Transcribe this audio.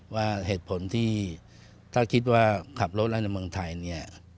ว่าเหตุผลที่ถ้าคิดว่าขับรถแล้วในเมืองไทยเนี่ย